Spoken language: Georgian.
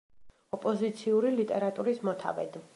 ოპოზიციური ლიტერატურის მოთავედ.